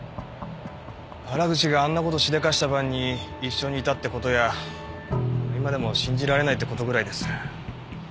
原口があんな事しでかした晩に一緒にいたって事や今でも信じられないって事ぐらいです。